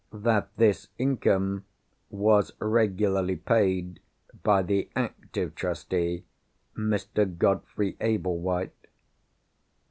That this income was regularly paid by the active Trustee, Mr. Godfrey Ablewhite.